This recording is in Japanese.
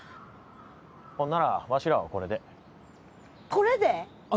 ほんならわしらはこれでこれで？